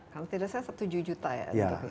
kalau tidak salah tujuh juta ya